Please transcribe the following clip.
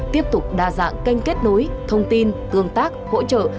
tiếp tục đa dạng kênh kết nối thông tin tương tác hỗ trợ